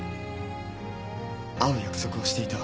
会う約束はしていた。